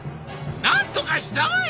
「なんとかしたまえ！